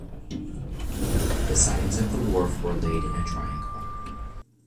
The sidings at the wharf were laid in a triangle.